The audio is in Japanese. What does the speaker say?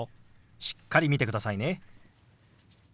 しっかり見てくださいね。